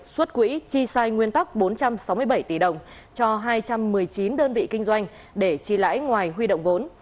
xuất quỹ chi sai nguyên tắc bốn trăm sáu mươi bảy tỷ đồng cho hai trăm một mươi chín đơn vị kinh doanh để chi lãi ngoài huy động vốn